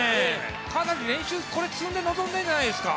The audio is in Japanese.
かなり練習、これつんで臨んでるんじゃないですか。